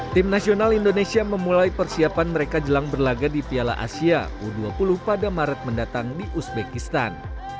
tim nasional indonesia memulai persiapan mereka jelang berlaga di piala asia u dua puluh pada maret mendatang di uzbekistan